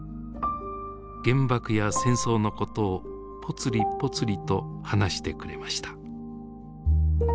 原爆や戦争のことをぽつりぽつりと話してくれました。